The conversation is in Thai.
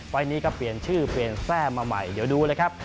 ไฟล์นี้ก็เปลี่ยนชื่อเปลี่ยนแทร่มาใหม่เดี๋ยวดูเลยครับ